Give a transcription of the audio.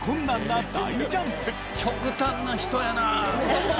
極端な人やなあ。